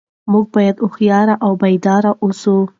موږ باید هوښیار او بیدار اوسو.